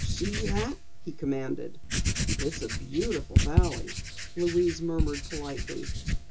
"See that!" he commanded. "It's a beautiful valley," Louise murmured politely.